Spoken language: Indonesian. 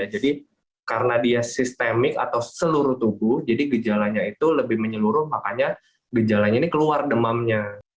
jadi karena dia sistemik atau seluruh tubuh jadi gejalanya itu lebih menyeluruh makanya gejalanya ini keluar demamnya